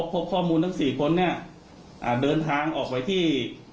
พบข้อมูลทั้ง๔คนเดินทางออกไปที่